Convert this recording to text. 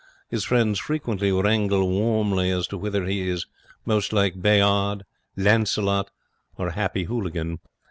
His friends frequently wrangle warmly as to whether he is most like Bayard, Lancelot, or Happy Hooligan.